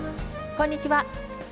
こんにちは。